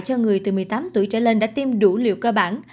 cho người từ một mươi tám tuổi trở lên đã tiêm đủ liều cơ bản